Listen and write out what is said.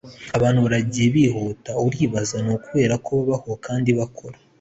abantu burigihe bihuta? 'aribaza. 'ni ukubera ko babaho kandi bakora